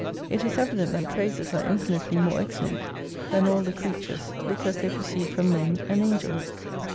It is evident that praises are infinitely more excellent than all the creatures because they proceed from men and angels.